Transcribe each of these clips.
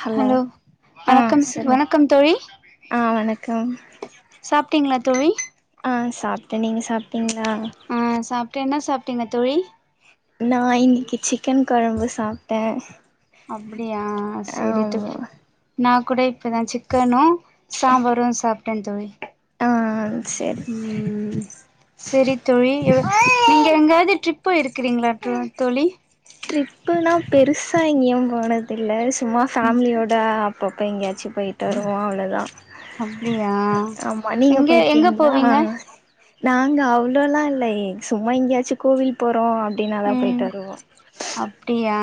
hello ஆ வணக்கம் சி சொல்லு வணக்கம் தோழி ஆ வணக்கம் சாப்பிட்டீங்களா தோழி ஆ சாப்ட்ட நீங்க சாப்புட்டீங்களா ஆ சாப்ட்ட என்ன சாப்பிட்டீங்க தோழி நா இன்னிக்கு சிக்கன் குழம்பு சாப்ட்ட அப்டியா சரி தோழி நா கூட இப்பதா சிக்கனு சாம்பாரும் சாப்ட்ட தோழி ஆ செரி ம் சரி தோழி எ நீங்க எங்காவது ட்ரிப் போயிருக்கீங்களா தோழி ட்ரிப்புனா பெருசா எங்கயும் போனதில்ல சும்மா ஃபேமிலியோட அப் அப்ப அப்ப எங்கயாச்சு போயிட்டு வருவோ அவ்ளோதா அப்டியா ஆமா நீங்க எங்க எங்க போயிருக்கீங்களா போவீங்க நாங்க அவ்ளோலா இல்ல சும்மா எங்கயாச்சு கோவில் போறோ அப்டின்ன தா ம் போயிட்டு வருவோ அப்டியா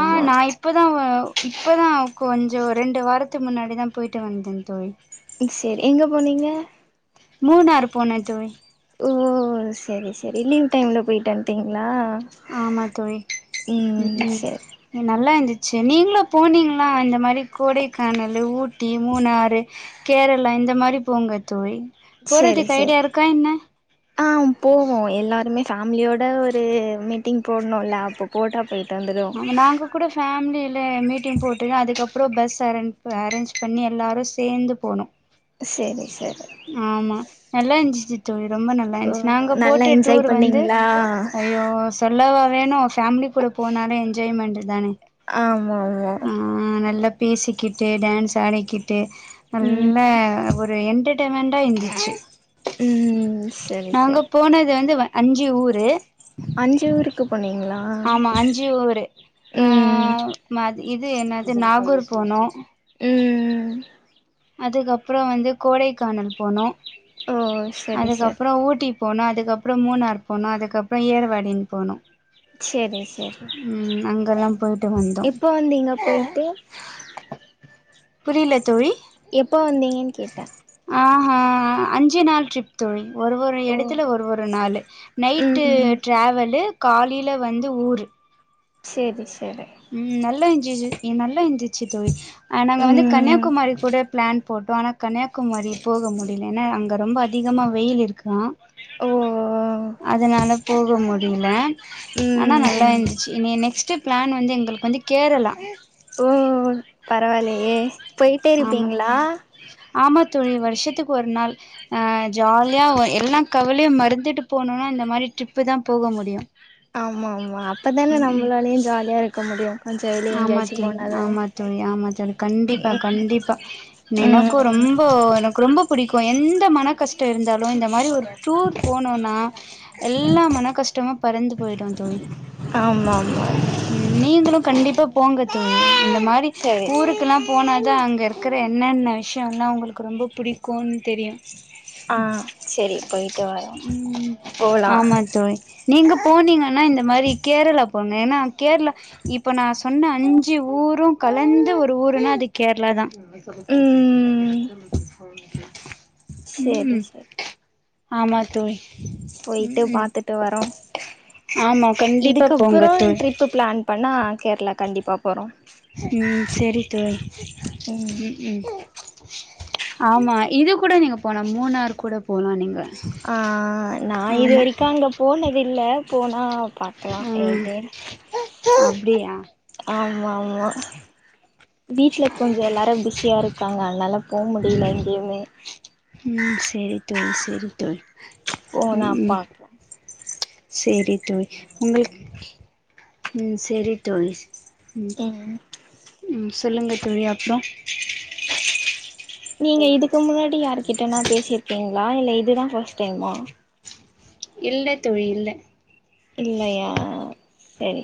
ஆ நா இப் இப்போ தா ஓ இப்போ தா கொஞ்ச ரெண்டு வாரத்துக்கு முன்னாடி தா போயிட்டு வந்த தோழி ம் சேரி எங்க போனீங்க மூணாறு போன தோழி ஓ சேரி சேரி லீவ் டைம்ல போய்ட்டு வந்துட்டீங்களா ஆமா தோழி ம் ம் சேரி நல்லா இருந்துச்சி நீங்களு போனீங்களா இந்த மாரி கோடைக்கானலு ஊட்டி மூணாறு கேரளா இந்த மாரி போங்க தோழி சேரி போறதுக்கு சேர் ஐடியா இருக்கா என்ன ஆ போவோ எல்லாருமே ஃபேமிலியோட ஒரு மீட்டிங் போட்ணோல்ல அப்போ போட்டா போயிட்வந்துரு ஆமா நாங்கோ க கூட ஃபேமலில மீட்டிங் போட்டு அதுக்கப்பறம் பஸ் அர அரேஞ் பண்ணி எல்லாரு சேந்து போனோ சேரி சேரி ஆமா நல்லா இருஞ்சிச்சி தோழி ரொம்ப நல்லா ஓ இருச்சி நாங்க நல்லா போட்ட என்ஜாய் டூரு வந்து பண்ணீங்களா ஐயோ சொல்லவா வேணு ஃபேமிலி கூட போனாலே என்ஜாய்மெண்ட்டு தானே ஆமா ஆமா ம் நல்லா பேசிக்கிட்டு டான்ஸ் ஆடிக்கிட்டு நல்லா ம் ஒரு அ ஒரு என்டேர் மென்ட்டா இந்துச்சி ம் சரி நாங்க சரி போனது வந்து வ அஞ்சி ஊரு அஞ்சி ஊருக்கு போனீங்ளா ஆமா மா இது என்னது நாகூர் போனோ ம் அதுக்கப்றோ வந்து கோடைக்கானல் போனோ ஓ சரி சரி அதுக்கப்றோ ஊட்டி போனோ அதுக்கப்றோ மூணார் போனோ அதுக்கப்றோ ஏர்வாடிங் போனோ சரி சரி ம் அங்கல்லா போயிட்டு வந்தோ எப்போ வந்தீங்க போயிட்டு புரில தோழி எப்ப வந்தீங்கன் ஆ ஆ அஞ்சி நாள் ட்ரிப் தோழி ஒரு ஒரு ஓ எடத்துல ஒரு ஒரு நாளு நைட்டு ம் ட்ராவலு காலில வந்து ஊரு சேரி சேரி ம் நல்லா இஞ்சிது நல்லா இந்துச்சி தோழி அ நாங்க வந்து ம் கன்னியாகுமாரி கூட பிளான் போட்டோ ஆனா கன்னியாகுமாரி போக முடில என்னா அங்க ரொம்ப அதி அதிகமா வெயில் இருக்கா ஓ அதனால போக முடில ம் ம் நல்லா இந்துச்சி இனி நெஸ்ட்டு பிளான் வந்து எங்களுக்கு வந்து கேரளா ஓ ஓ பரவால்லியே போயிட்டே ஆமா இருப்பீங்ளா ஆமா தோழி வருஷத்துக்கு ஒரு நாள் அ ஜாலியா எல்லா கவலையு மறுத்துட்டு போனுன்னா இந்த மாரி ட்ரிப்பு தா போக முடியு ஆமா ஆமா அப்பதானே நம்மளாலயு ஜாலியா இருக்க முடியு கொஞ்சோ வெளிய ஆமா எங்கயாச்சும் தோழி போனாதான ஆமா தோழி ஆமா தோழி கண்டிப்பா கண்டிப்பா நெனக்கோ ம் ரொம்போ எனக்கு ரொம்போ புடிக்கு எந் எந்த மன கஷ்டோ இருந்தாலு இந்த மாரி ஒரு டூர் போனுன்னா எல்லா மன கஷ்டமு பறந்து போயிடு தோழி ஆமா ஆமா ம் நீங்களும் கண்டிப்பா போங்க தோழி இந்த மாரி சரி சரி ஊருக்குல்லா போனாதா அங்க இருக்கற என்னென்ன விஷயோல்லா உங்களுக்கு ரொம்போ புடிக்கோன் தெரியு ஆ சேரி போயிட்டு வரோ போலா ஆமா தோழி நீங்க போனீங்கன்னா இந்த மாரி கேரளா போங்க ஏனா கேரளா இப்ப நா சொன்ன அஞ்சு ஊரு கலந்த ஒரு ஊருன்னா அது கேரளா தா ம் ம் சரி ம் சரி ஆமா தோழி ம் போய்ட்டு ம் பாத்துட்டு வரோ ஆமா கண்டிப்பா போங்க இதுக்கப்புறோ தோழி ட்ரிப்பு பிளான் பண்ண கேரளா கண்டிப்பா போறோ ம் செரி தோழி ம் ம் ஆமா இது கூட நீங்க போல மூணார் கூட போலா நீங்க அ நா இது ஆமா வரைக்கு அங்க போனது இல்ல போனா பாக்கலா ஆ எது அப்டியா ஆமாமா வீட்ல கொஞ்சோ எல்லாரு பிஸியா இருக்காங்க அதனால போ முடில எங்கெய்மே ம் செரி தோழி செரி தோழி போனா ம் பாக்கலா செரி தோழி உங்ளுக் ம் செரி தோழி ம், ம் சொல்லுங்க தோழி அப்றோ நீங்க இதுக்கு முன்னாடி யாருகிட்டனா பேசிருக்கீங்களா இல்ல இதுதா ஃபஸ்ட் டைமா இல்ல தோழி இல்ல இல்லையா செரி